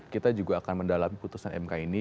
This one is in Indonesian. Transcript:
kita juga akan mendalami putusan mk ini